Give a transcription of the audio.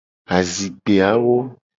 Azikpe awo.